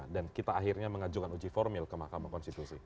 dan kita akhirnya mengajukan uji formil ke mahkamah konstitusi